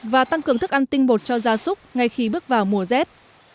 và tăng cường thức ăn tinh bột cho gia súc ngay khi bước vào mùa rét